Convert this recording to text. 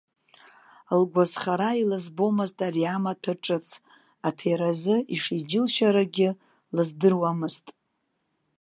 Лгәазхара илызбомызт ари амаҭәа ҿыц, аҭеразы ишиџьылшьарагьы лыздыруамызт.